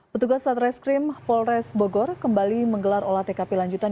petugas satreskrim polres bogor kembali menggelar olah tkp lanjutan